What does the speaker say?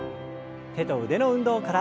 手と腕の運動から。